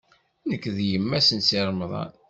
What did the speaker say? Nekk d yemma-s n Si Remḍan.